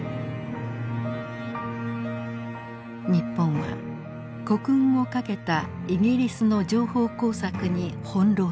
日本は国運を懸けたイギリスの情報工作に翻弄されました。